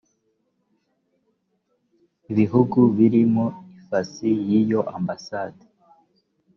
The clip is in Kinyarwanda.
bihugu biri mu ifasi y’iyo ambasade